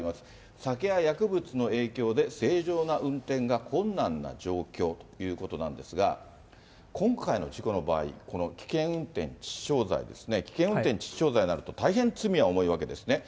酒や薬物の影響で正常な運転が困難な状況ということなんですが、今回の事故の場合、危険運転致死傷罪ですね、危険運転致死傷罪になると、大変罪は重いわけですね。